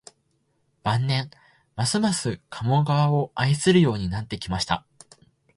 晩年、ますます加茂川を愛するようになってきました